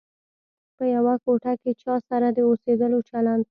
په یوه کوټه کې چا سره د اوسېدلو چلند.